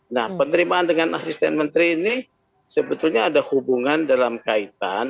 nah penerimaan dengan asisten menteri ini sebetulnya ada hubungan dalam kaitan